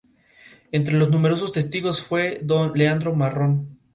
Se disputó bajo un sistema de liguilla entre todos los equipos participantes.